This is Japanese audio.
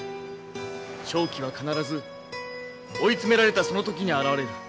勝機は必ず追い詰められたその時に現れる。